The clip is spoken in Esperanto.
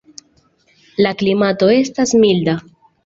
La klimato estas milda.